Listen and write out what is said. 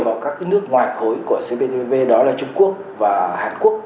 vào các nước ngoài khối của cptpp đó là trung quốc và hàn quốc